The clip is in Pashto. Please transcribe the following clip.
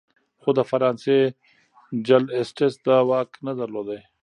خو د فرانسې جل اسټټس دا واک نه درلود.